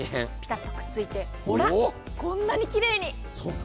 ぴたっとくっついて、ほら、こんなにきれいに。